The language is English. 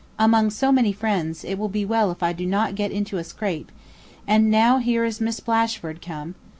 Among so many friends, it will be well if I do not get into a scrape; and now here is Miss Blashford come.